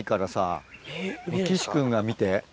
岸君が見て。